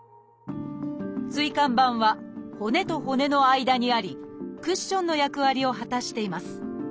椎間板は骨と骨の間にありクッションの役割を果たしています。